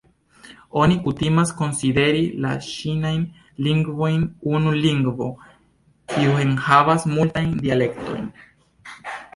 Oni kutimas konsideri la ĉinajn lingvojn unu lingvo, kiu enhavas multajn dialektojn.